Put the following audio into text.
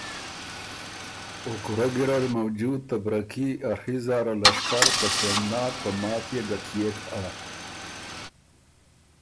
او کُورۀ ګیرډ موجود ته برکي ا ڒی زاره لشکر ته سومنات په ماتيې ګټيېک هۀ۔